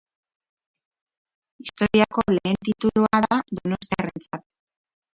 Historiako lehen titulua da donostiarrentzat.